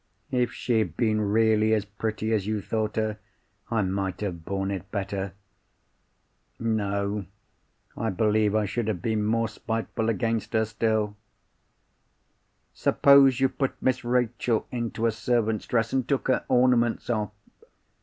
"If she had been really as pretty as you thought her, I might have borne it better. No; I believe I should have been more spiteful against her still. Suppose you put Miss Rachel into a servant's dress, and took her ornaments off?